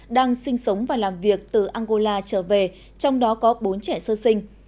đang sinh sống và làm việc từ angola trở về trong đó có bốn trẻ sơ sinh